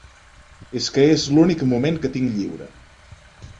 Es que es l'únic moment que tinc lliure.